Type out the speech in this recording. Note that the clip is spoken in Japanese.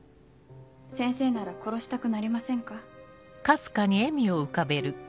先生なら殺したくなりませんか？